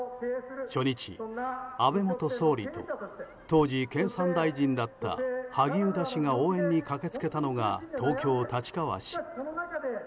初日、安倍元総理と当時経産大臣だった萩生田氏が応援に駆け付けたのが東京・立川市。